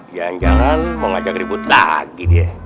jangan jangan mau ngajak ribut lagi dia